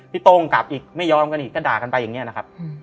โต้งกลับอีกไม่ยอมกันอีกก็ด่ากันไปอย่างนี้นะครับ